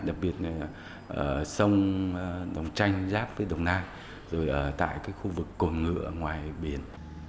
đặc biệt sông đồng tranh giáp với đồng nam rồi tại khu vực cổ ngựa ngoài biển